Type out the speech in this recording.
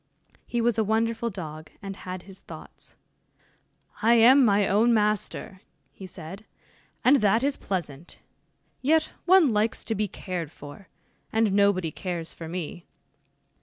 He was a wonderful dog, and had his thoughts. "I am my own master," he said, "and that is pleasant yet one likes to be cared for, and nobody cares for me.